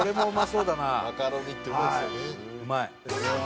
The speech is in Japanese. うまい。